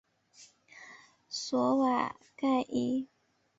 索瓦盖伊。